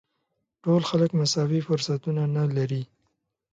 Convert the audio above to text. ټول خلک مساوي فرصتونه نه لري.